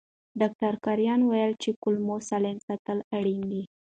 ډاکټر کرایان وویل چې کولمو سالم ساتل اړین دي.